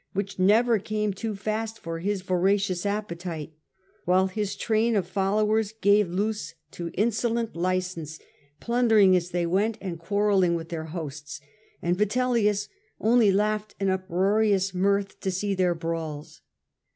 which never came too fast for his voracious appetite ; while his train of followers gave loose to insolent license, plundering as they went and quarrelling with their hosts, and Vitellius only laughed in uproarious mirth to see their brawls.